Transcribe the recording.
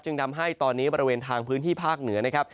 ทำให้ตอนนี้บริเวณทางพื้นที่ภาคเหนือนะครับ